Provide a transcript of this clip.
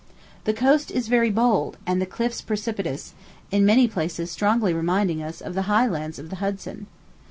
The coast is very bold, and the cliffs precipitous, in many places strongly reminding us of the high lands of the Hudson.